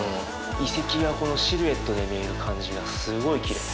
遺跡がこのシルエットで見える感じがすごいきれい。